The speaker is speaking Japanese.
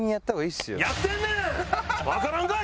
わからんかい？